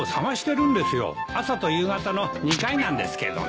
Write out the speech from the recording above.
朝と夕方の２回なんですけどね。